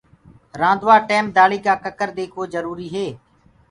رآندوآ ٽيم دآݪي ڪآ ڪڪر ديکڻ جروري هي۔